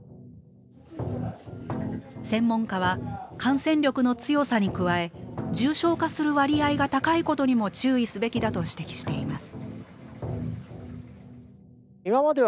専門家は感染力の強さに加え重症化する割合が高いことにも注意すべきだと指摘しています。